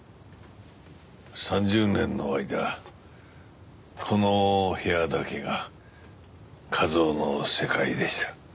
３０年の間この部屋だけが一雄の世界でした。